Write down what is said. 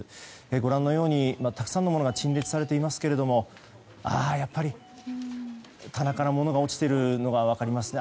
ご覧のように、たくさんのものが陳列されていますがやっぱり、棚から物が落ちているのが分かりますね。